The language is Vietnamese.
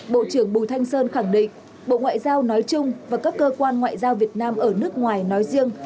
bộ trưởng bùi thanh sơn khẳng định bộ ngoại giao nói chung và các cơ quan ngoại giao việt nam ở nước ngoài nói riêng